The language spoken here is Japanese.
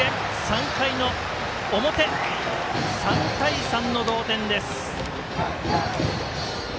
３回の表、３対３の同点です。